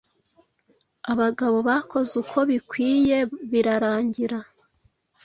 Abagabo bakoze uko bikwiye birarangira